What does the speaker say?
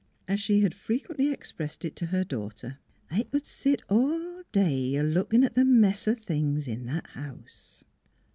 As she had frequently expressed it to her daughter: "I c'd set all day a lookin' at the mess o' things in that house."